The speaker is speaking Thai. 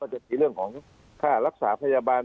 จะมีเรื่องของค่ารักษาพยาบาล